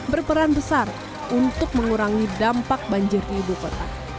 berperan besar untuk mengurangi dampak banjir di ibu kota